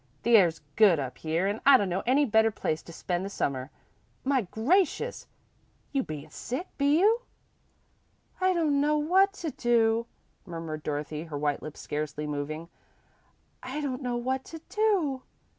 The air's good up here an' I dunno any better place to spend the Summer. My gracious! You be n't sick, be you?" "I don't know what to do," murmured Dorothy, her white lips scarcely moving; "I don't know what to do."